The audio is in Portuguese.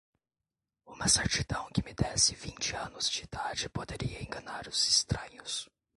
Uma certidão que me desse vinte anos de idade poderia enganar os estranhos